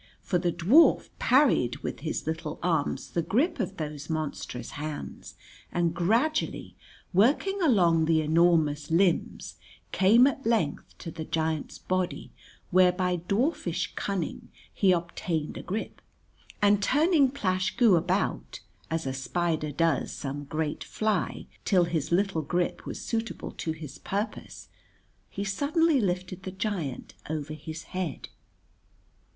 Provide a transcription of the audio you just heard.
For the dwarf parried with his little arms the grip of those monstrous hands, and gradually working along the enormous limbs came at length to the giant's body where by dwarfish cunning he obtained a grip; and turning Plash Goo about, as a spider does some great fly, till his little grip was suitable to his purpose, he suddenly lifted the giant over his head.